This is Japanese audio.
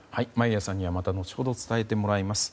眞家さんにはまた後ほど伝えてもらいます。